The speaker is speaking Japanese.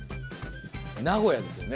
名古屋ですよね。